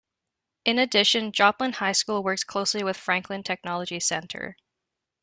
In addition, Joplin High School works closely with Franklin Technology Center.